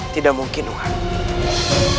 tidak mungkin nanda